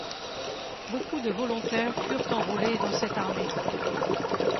Beaucoup de volontaires furent enrôlés dans cette armée.